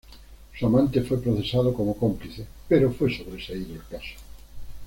Su amante fue procesado como cómplice, pero fue sobreseído.